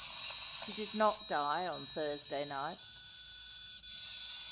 She did not die on Thursday night.